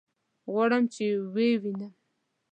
غواړم چې ويې وينم.